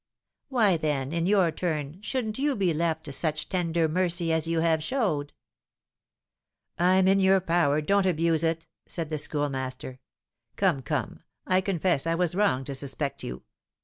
Why, then, in your turn, shouldn't you be left to such tender mercy as you have showed?" "I'm in your power, don't abuse it," said the Schoolmaster. "Come, come, I confess I was wrong to suspect you.